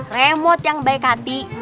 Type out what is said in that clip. remot yang baik hati